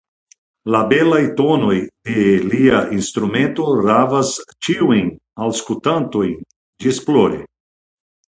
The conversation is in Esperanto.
La belaj tonoj de lia instrumento ravas ĉiujn aŭskultantojn ĝisplore.